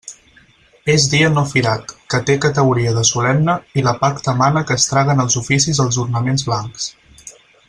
És dia no firat, que té categoria de solemne, i l'epacta mana que es traguen als oficis els ornaments blancs.